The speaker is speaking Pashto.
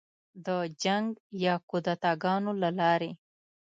د جنګ یا کودتاه ګانو له لارې